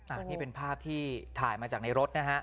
อันนี้เป็นภาพที่ถ่ายมาจากในรถนะฮะ